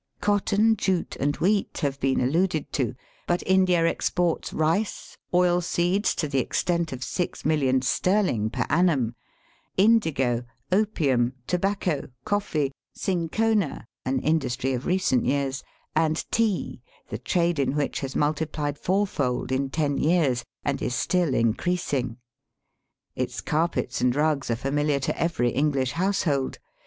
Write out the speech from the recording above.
Cotton, jute, and wheat have been alluded to ; but India exports rice, oilseeds to the extent of six millions sterling per annum, indigo, opium, tobacco, coffee, cinchona (an industry of recent years), and tea, the trade in which has multiplied fourfold in ten years and is still increasing. Its carpets and rugs are familiar to every English household.